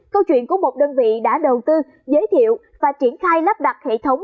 câu chuyện của một đơn vị đã đầu tư giới thiệu và triển khai lắp đặt hệ thống